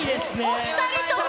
お２人とも。